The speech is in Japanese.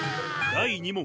第２問。